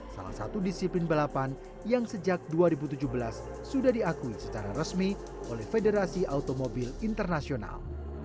salah satu disiplin balapan yang sejak dua ribu tujuh belas sudah diakui secara resmi oleh federasi automobil internasional